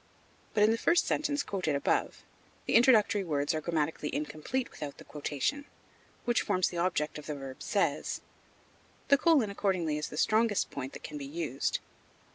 But, in the first sentence quoted above, the introductory words are grammatically incomplete without the quotation, which forms the object of the verb "says"; the colon accordingly is the strongest point that can be used.